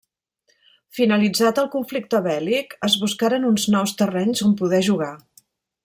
Finalitzat el conflicte bèl·lic, es buscaren uns nous terrenys on poder jugar.